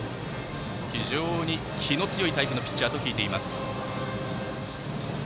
非常に気の強いタイプのピッチャーと聞いています。